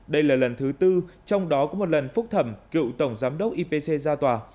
đây là lần thứ tư trong đó có một lần phúc thẩm cựu tổng giám đốc ipc ra tòa